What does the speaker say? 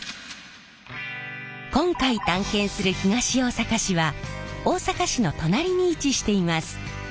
今回探検する東大阪市は大阪市の隣に位置しています。